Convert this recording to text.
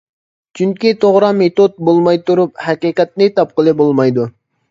چۈنكى توغرا مېتود بولماي تۇرۇپ ھەقىقەتنى تاپقىلى بولمايدۇ.